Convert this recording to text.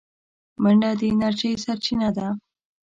منډه د انرژۍ سرچینه ده